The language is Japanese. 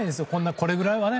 これぐらいはね。